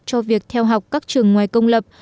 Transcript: cho việc theo học các trường ngoài công lập